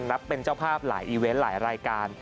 รับเป็นเจ้าภาพหลายอีเวนต์หลายรายการ